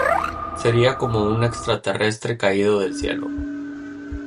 Sería como un extraterrestre caído del cielo.